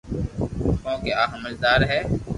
ڪونڪھ آ ھمجدار ھي